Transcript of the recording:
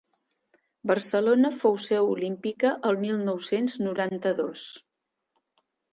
Barcelona fou seu olímpica el mil nou cents noranta-dos.